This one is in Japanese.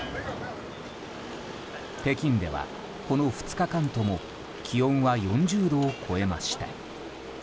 北京では、この２日間とも気温は４０度を超えました。